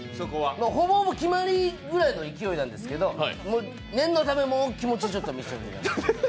ほぼ決まりぐらいの勢いなんですけど念のため、気持ち、もうちょっと見せていただきたくて。